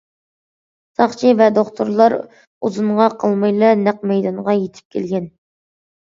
ساقچى ۋە دوختۇرلار ئۇزۇنغا قالمايلا نەق مەيدانغا يېتىپ كەلگەن.